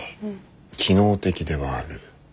機能的ではある。